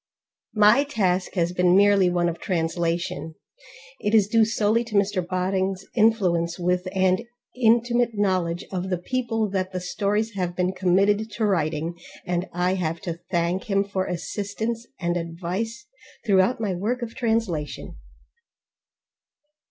My task has been merely one of translation; it is due solely to Mr Bodding's influence with, and intimate knowledge of, the people that the stories have been committed to writing, and I have to thank him for assistance and advice throughout my work of translation.